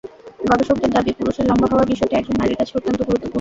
গবেষকদের দাবি, পুরুষের লম্বা হওয়ার বিষয়টি একজন নারীর কাছে অত্যন্ত গুরুত্বপূর্ণ।